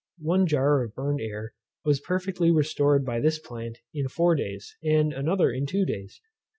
One jar of burned air was perfectly restored by this plant in four days, and another in two days.